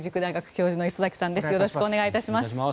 よろしくお願いします。